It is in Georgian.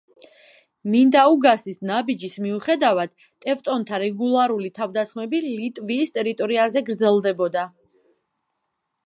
მინდაუგასის ნაბიჯის მიუხედავად ტევტონთა რეგულარული თავდასხმები ლიტვის ტერიტორიაზე გრძელდებოდა.